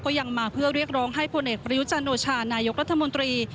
ยังมาเพื่อเรียกร้องให้ผลเอกประยุจันโอชานายกรัฐมนตรี